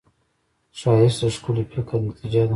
ښایست د ښکلي فکر نتیجه ده